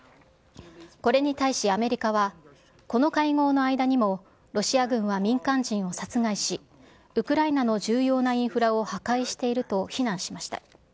これに対しアメリカは、この会合の間にも、ロシア軍は民間人を殺害し、ウクライナの重要なインフラを破壊していると非難しました。